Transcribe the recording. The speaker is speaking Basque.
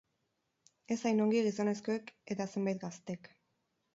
Ez hain ongi gizonezkoek eta zenbait gaztek.